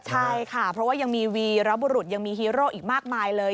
ใช่ค่ะเพราะว่ายังมีวีรบุรุษยังมีฮีโร่อีกมากมายเลย